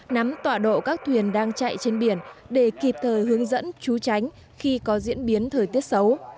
nắm tọa độ các thuyền đang chạy trên biển để kịp thời hướng dẫn chú tránh khi có diễn biến thời tiết xấu